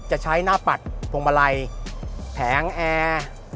จะใช้หน้าปัดพวงมาลัยแผงแอร์